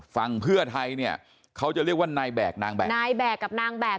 ฝั่งเพื่อไทยเนี่ยเขาจะเรียกว่านายแบกนางแบก